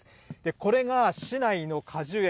これが市内の果樹園